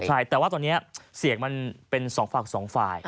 ใช่แต่ว่าตอนนี้เสียงมันเป็นสองฝั่งสองฝ่าย